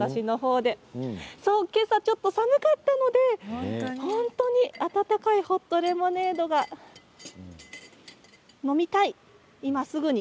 けさは、ちょっと寒かったので温かいホットレモネードが飲みたい、今すぐに。